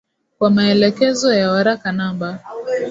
kwa maelekezo ya Waraka Namba